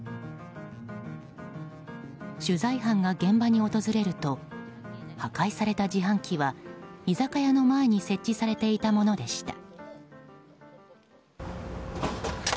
取材班が現場に訪れると破壊された自販機は居酒屋の前に設置されていたものでした。